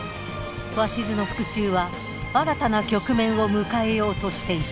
鷲津の復讐は新たな局面を迎えようとしていた。